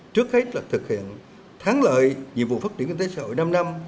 trước hết là thực hiện thắng lợi nhiệm vụ phát triển kinh tế xã hội năm năm